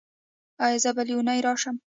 ایا زه بلې اونۍ راشم؟